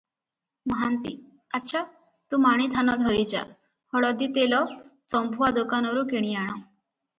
ମହାନ୍ତି-ଆଚ୍ଛା, ତୁ ମାଣେ ଧାନ ଧରି ଯା, ହଳଦୀ ତେଲ ଶମ୍ଭୁଆ ଦୋକାନରୁ କିଣି ଆଣ ।